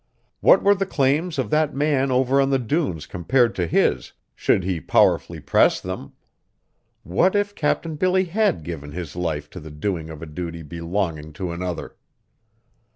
What were the claims of that man over on the dunes compared to his, should he powerfully press them? What if Captain Billy had given his life to the doing of a duty belonging to another?